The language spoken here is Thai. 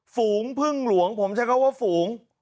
ฝูงพึ่งหลวงผมใช้คำว่าฝูง